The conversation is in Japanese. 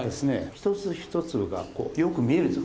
一粒一粒がよく見えるんです。